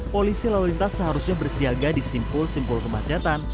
polisi lalu lintas seharusnya bersiaga di simpul simpul kemacetan